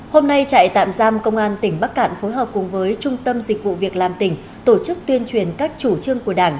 hôm nay trại tạm giam công an tỉnh bắc cạn phối hợp cùng với trung tâm dịch vụ việc làm tỉnh tổ chức tuyên truyền các chủ trương của đảng